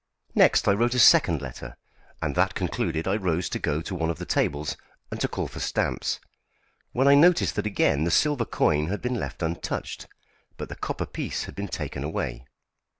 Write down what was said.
Next I wrote a second letter, and that concluded, I rose to go to one of the tables and to call for stamps, when I noticed that again the silver coin had been left untouched, but the copper piece had been taken away.